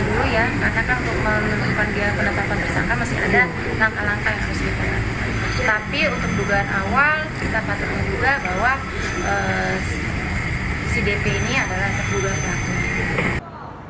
tetapi untuk dugaan awal kita patut menduga bahwa si dp ini adalah terduga pelaku